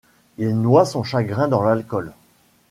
Il noie son chagrin dans l'alcool.